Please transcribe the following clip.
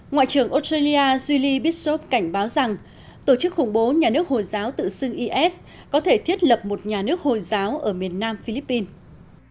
ngoại trưởng australia jilishov cảnh báo rằng tổ chức khủng bố nhà nước hồi giáo tự xưng is có thể thiết lập một nhà nước hồi giáo ở miền nam philippines